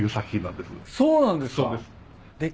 そうなんですか。